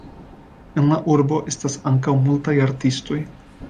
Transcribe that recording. En la urbo estas ankaŭ multaj artistoj.